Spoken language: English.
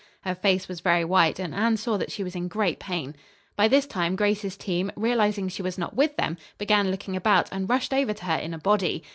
Her face was very white, and Anne saw that she was in great pain. By this time Grace's team, realizing she was not with them, began looking about, and rushed over to her in a body.